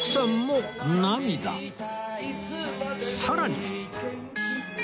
さらに